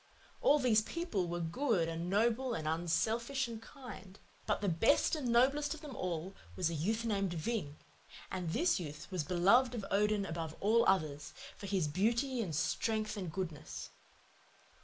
All these people were good and noble and unselfish and kind; but the best and noblest of them all was a youth named Ving; and this youth was beloved by Odin above all others, for his beauty and strength and goodness.